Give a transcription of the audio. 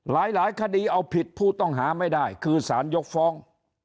หลายคดีเอาผิดผู้ต้องหาไม่ได้คือสารยกฟ้อง